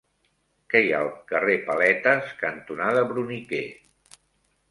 Què hi ha al carrer Paletes cantonada Bruniquer?